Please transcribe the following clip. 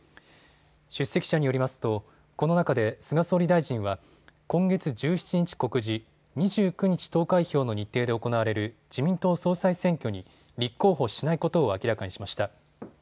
出席者によりますと、この中で菅総理大臣は、今月１７日告示・２９日投開票の日程で行われる自民党総裁選挙に立候補しないことを明らかにしました。